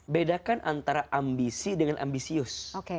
bedakan antara ambisi dengan ambisius